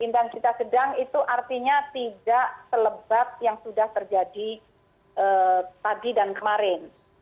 intensitas sedang itu artinya tidak selebat yang sudah terjadi tadi dan kemarin